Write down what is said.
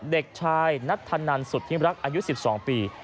เด็กชายนัทธนันสุธิรักอายุ๑๒ปี